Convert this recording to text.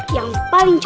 kita siap beraksi